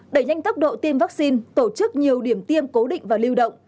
đẩy nhanh tốc độ tiêm vaccine tổ chức nhiều điểm tiêm cố định và lưu động